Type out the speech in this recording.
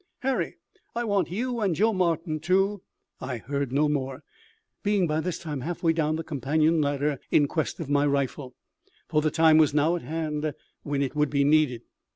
Harry, I want you and Joe Martin to " I heard no more, being by this time halfway down the companion ladder in quest of my rifle, for the time was now at hand when it would be needed.